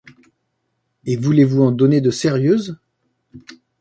Et voulez-vous en donner de sérieuses ?